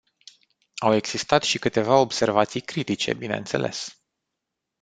Au existat și câteva observații critice, bineînțeles.